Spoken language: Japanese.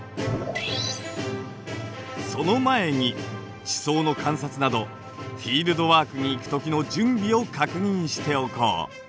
その前に地層の観察などフィールドワークに行く時の準備を確認しておこう。